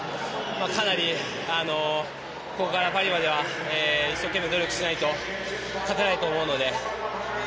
かなり、ここからパリまでは一生懸命努力しないと勝てないと思うので。